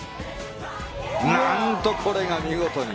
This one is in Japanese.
なんとこれが見事に。